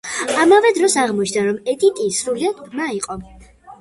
ამავე დროს აღმოჩნდა, რომ ედიტი სრულიად ბრმა იყო.